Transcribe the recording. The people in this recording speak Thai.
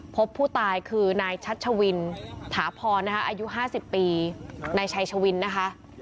พบผู้ตายคือนายชัชวินถาพรนะคะอายุ๕๐ปีนายชัยชวินนะคะ